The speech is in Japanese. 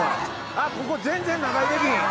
あっここ全然長居できひん。